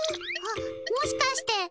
あっもしかして。